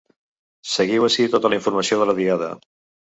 Seguiu ací tota la informació de la Diada.